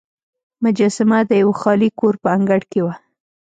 مجسمه د یوه خالي کور په انګړ کې وه.